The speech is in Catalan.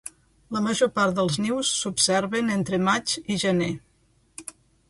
La major part dels nius s'observen entre maig i gener.